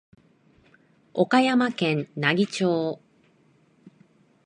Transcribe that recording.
岡山県奈義町